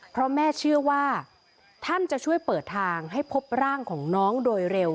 เพราะแม่เชื่อว่าท่านจะช่วยเปิดทางให้พบร่างของน้องโดยเร็ว